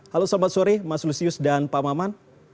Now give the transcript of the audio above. halo selamat sore mas lusius dan pak maman